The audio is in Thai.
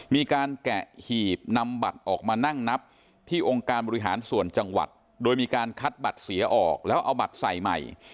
มีการแกะหีบนำบัตรออกมานั่งนับที่องค์การบริหารส่วนจังหวัดโดยมีการคัดบัตรเสียออกแล้วเอาบัตรใส่ใหม่